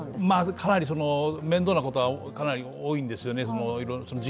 かなり面倒なことは多いんですね。